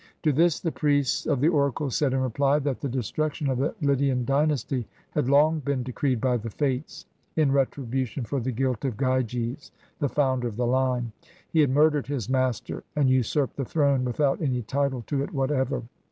To this the priests of the oracle said in reply that the destruction of the Lydian dynasty had long been de creed by the Fates, in retribution for the guilt of Gyges, the founder of the line. He had murdered his master, and usurped the throne, without any title to it whatever.